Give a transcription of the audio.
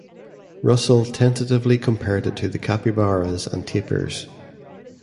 Russell tentatively compared it to the capybaras and tapirs.